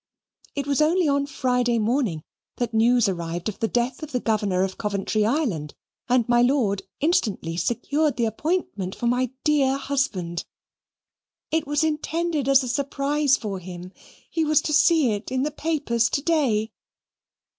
It was only on Friday morning that the news arrived of the death of the Governor of Coventry Island, and my Lord instantly secured the appointment for my dear husband. It was intended as a surprise for him he was to see it in the papers to day.